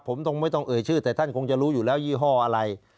ผมคงไม่ต้องเอ่ยชื่อแต่ท่านคงจะรู้อยู่แล้วยี่ห้ออะไร